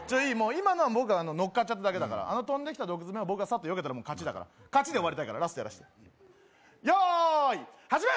今のは僕がのっかっちゃっただけだからあの飛んできた毒爪を僕がサッとよけたら勝ちだから勝ちで終わりだからラストやらして用意始め！